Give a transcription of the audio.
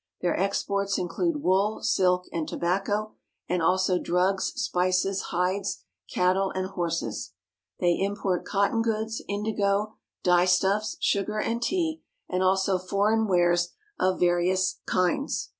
Their exports in clude wool, silk, and tobacco, and also drugs, spices, hides, PERSIA 321 cattle, and horses. They import cotton goods, indigo, dye stuffs, sugar and tea, and also foreign wares of various kinds.